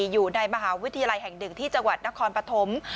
อยู่ในมหาวิทยาลัยแห่งหนึ่งที่จังหวัดนครปฐม